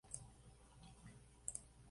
Le Chambon-Feugerolles